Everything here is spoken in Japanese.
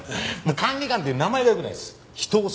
管理官っていう名前がよくないです。